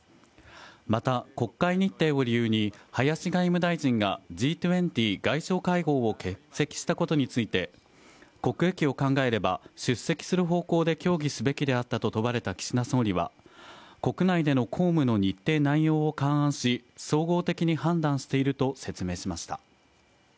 また、国会日程を理由に、林外務大臣がＧ２０外相会合を欠席したことについて、国益を考えれば出席する方向で協議すべきであったと問われた岸野総理は国内での公務の日程内容を勘案し、総合的に判断していると説明しました。